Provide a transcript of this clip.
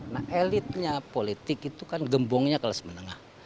nah elitnya politik itu kan gembongnya kelas menengah